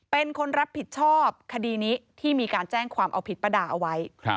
เป็นคนรับผิดชอบคดีนี้ที่มีการแจ้งความเอาผิดป้าดาเอาไว้